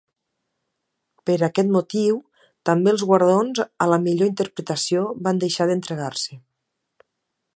Per aquest motiu, també els guardons a la millor interpretació van deixar d'entregar-se.